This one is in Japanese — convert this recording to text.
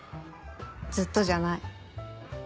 ずっとじゃない。